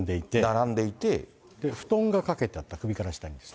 並んでいて、布団が掛けてあった、首から下ですね。